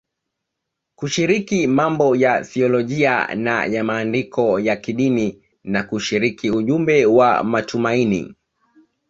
kushiriki mambo ya thiolojia na ya maandiko ya kidini na kushiriki ujumbe wa matumaini.